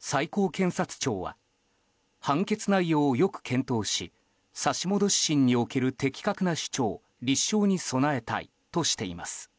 最高検察庁は判決内容をよく検討し差し戻し審における的確な主張・立証に備えたいとしています。